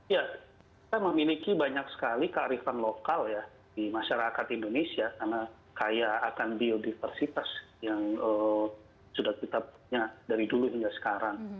ya kita memiliki banyak sekali kearifan lokal ya di masyarakat indonesia karena kaya akan biodiversitas yang sudah kita punya dari dulu hingga sekarang